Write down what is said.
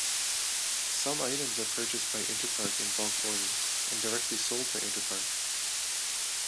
Some items are purchased by Interpark in bulk order, and directly sold by Interpark.